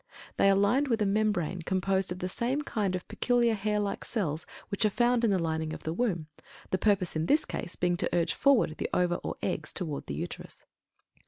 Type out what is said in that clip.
They are lined with a membrane composed of the same kind of peculiar hair like cells which are found in the lining of the womb, the purpose in this case being to urge forward the ova or eggs toward the Uterus.